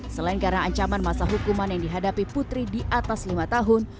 selain karena ancaman masa hukuman yang dihadapi putri di atas lima tahun